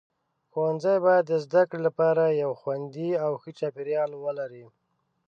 ښوونځي باید د زده کړې لپاره یو خوندي او ښه چاپیریال ولري.